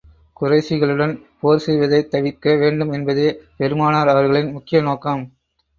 குறைஷிகளுடன் போர் செய்வதைத் தவிர்க்க வேண்டும் என்பதே பெருமானார் அவர்களின் முக்கிய நோக்கம்.